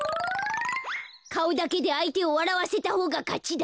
かおだけであいてをわらわせたほうがかちだ。